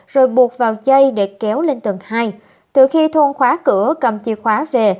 rồi buộc vào dây để kéo lên tầng hai từ khi thôn khóa cửa cầm chìa khóa về